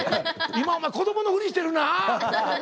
今お前子どものふりしてるな？